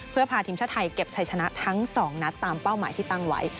เพื่อพาทีมชาติไทยเก็บชัยชนะทั้ง๒นัดตามเป้าหมายที่ตั้งไว้